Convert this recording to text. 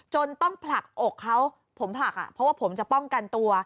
ต้องผลักอกเขาผมผลักเพราะว่าผมจะป้องกันตัว